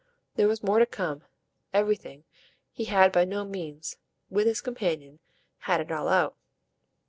There was more to come everything; he had by no means, with his companion, had it all out.